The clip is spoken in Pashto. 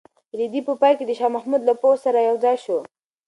رېدی په پای کې د شاه محمود له پوځ سره یوځای شو.